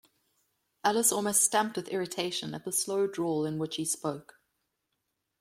Alice almost stamped with irritation at the slow drawl in which he spoke.